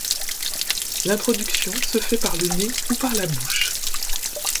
L’introduction se fait par le nez ou par la bouche.